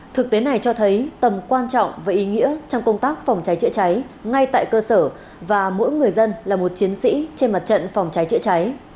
thực tế này cho thấy tầm quan trọng và ý nghĩa trong công tác phòng cháy chữa cháy ngay tại cơ sở và mỗi người dân là một chiến sĩ trên mặt trận phòng cháy chữa cháy